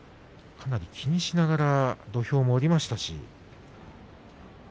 かなり気にしながら土俵を下りました。